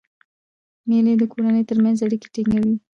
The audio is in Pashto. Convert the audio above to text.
مېلې د کورنۍ ترمنځ اړیکي ټینګوي.